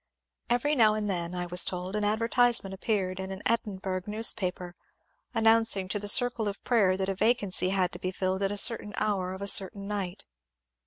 Every now and then, I was told, an advertisement appeared in an Edinburgh paper announcing to the ^^ Circle of Prayer" that a vacancy had to be filled at a certain hour of a certain night.